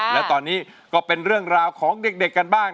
แล้วตอนนี้ก็เป็นเรื่องราวของเด็กกันบ้าง